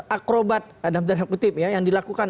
akrobat yang dilakukan